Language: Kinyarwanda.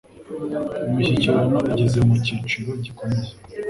Imishyikirano igeze mu cyiciro gikomeye.